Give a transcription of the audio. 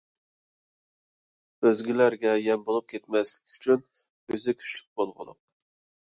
ئۆزگىلەرگە يەم بولۇپ كەتمەسلىك ئۈچۈن ئۆزى كۈچلۈك بولغۇلۇق.